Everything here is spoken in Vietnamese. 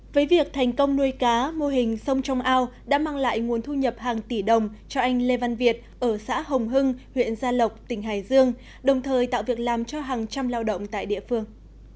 với việc thành công nuôi cá mô hình sông trong ao đã mang lại nguồn thu nhập hàng tỷ đồng cho anh lê văn việt ở xã hồng hưng huyện gia lộc tỉnh hải dương đồng thời tạo việc làm cho hàng trăm lao động tại địa phương